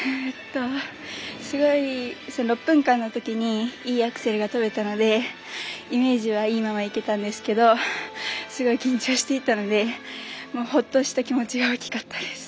すごい６分間のときにいいアクセルが跳べたのでイメージはいいままいけたんですけどすごい緊張していたのでほっとした気持ちが大きかったです。